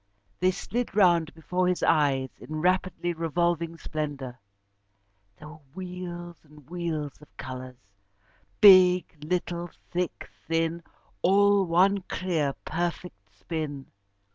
They slid round before his eyes in rapidly revolving splendour. There were wheels and wheels of colours big, little, thick, thin all one clear, perfect spin.